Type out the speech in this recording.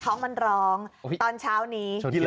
เขามันร้องอุ้ยตอนเช้านี้